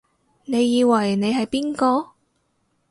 你以為你係邊個？